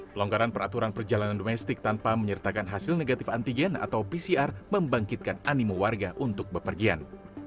pelonggaran peraturan perjalanan domestik tanpa menyertakan hasil negatif antigen atau pcr membangkitkan animu warga untuk bepergian